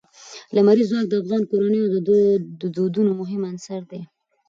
لمریز ځواک د افغان کورنیو د دودونو مهم عنصر دی.